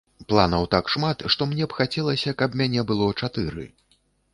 Планаў так шмат, што мне б хацелася, каб мяне было чатыры.